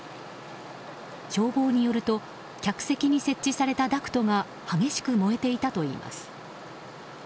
消防によると客席に設置されたダクトが激しく燃えていたといいます。